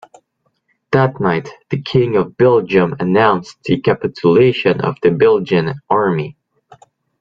That night the King of Belgium announced the capitulation of the Belgian army.